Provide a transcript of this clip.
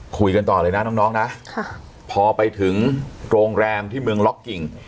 คุยกันต่อเลยนะน้องนะพอไปถึงโรงแรมที่เมืองล็อกกิ่ง